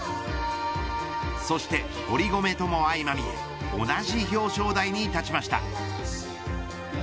そして、堀米とも相まみえ同じ表彰台に立ちました。